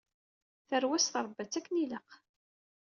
Tarwa-s trebba-tt akken ilaq.